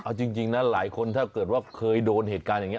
เอาจริงนะหลายคนถ้าเกิดว่าเคยโดนเหตุการณ์อย่างนี้